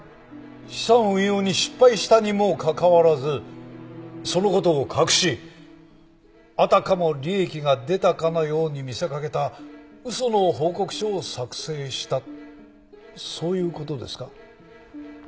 資産運用に失敗したにもかかわらずその事を隠しあたかも利益が出たかのように見せかけた嘘の報告書を作成したそういう事ですか？